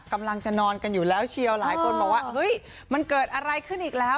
กำลังจะนอนกันอยู่แล้วเชียวหลายคนบอกว่าเฮ้ยมันเกิดอะไรขึ้นอีกแล้ว